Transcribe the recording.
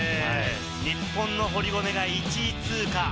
日本の堀米が１位通過。